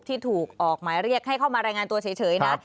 ที่ถูกออกหมายเรียกให้เข้ามารายงานตัวเฉยนะ